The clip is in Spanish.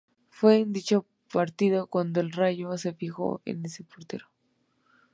Fue en dicho partido cuando el Rayo se fijó en este portero.